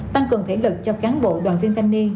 tăng cường thể lực cho cán bộ đoàn viên thanh niên